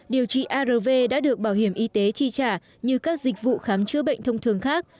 điều trị arv đã được bảo hiểm y tế chi trả như các dịch vụ khám chữa bệnh thông thường khác